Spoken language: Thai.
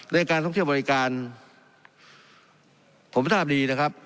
ในการท่องเที่ยวบริการผมทราบดีนะครับ